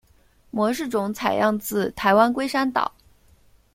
模式种采样自台湾龟山岛。